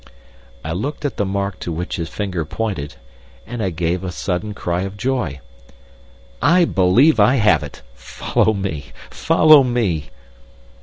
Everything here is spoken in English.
I looked at the mark to which his finger pointed, and I gave a sudden cry of joy. "I believe I have it! Follow me! Follow me!"